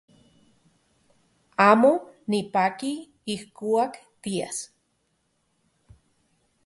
Amo nipaki ijkuak tias.